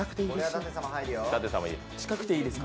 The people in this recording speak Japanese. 近くていいですよ。